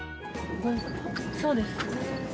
そうです。